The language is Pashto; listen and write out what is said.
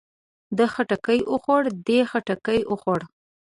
ده خټکی وخوړ. دې خټکی وخوړ.